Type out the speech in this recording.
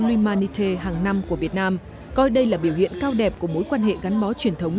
lumanité hàng năm của việt nam coi đây là biểu hiện cao đẹp của mối quan hệ gắn bó truyền thống